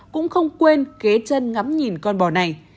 cũng không quên kế chân ngắm nhìn con bò này